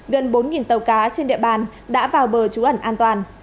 gần bốn tàu cá trên địa bàn đã vào bờ trú ẩn an toàn